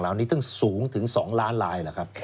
แล้วนี้ถึงสูงถึง๒ล้านลายหรือครับ